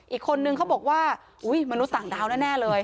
อีกคนนึงเขาบอกว่าอุ๊ยมนุษย์ต่างดาวแน่เลย